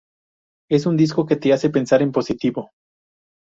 Es un disco que te hace pensar positivo.